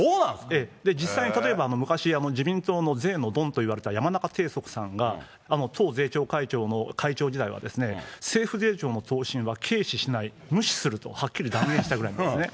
実際に例えば、昔、自民党の税のドンといわれたやまなかていそくさんが党税調会長の会長時代は、政府税調の答申は軽視しない、無視するとはっきり断言したぐらいなんですね。